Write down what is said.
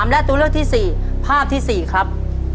และตัวเลือกที่๔ภาพที่๔ครับ